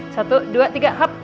satu dua tiga hap